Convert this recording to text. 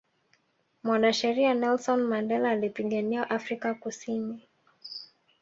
mwanasheria nelson mandela alipigania Afrika kusini